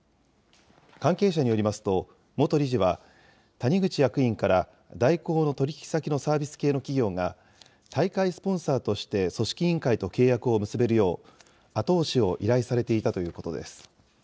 関係者によりますと、元理事は、谷口役員から大広の取り引き先のサービス系の企業が、大会スポンサーとして組織委員会と契約を結べるよう、後押しを依頼されていたということです。